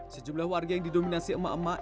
sejumlah warga yang didominasi emak emak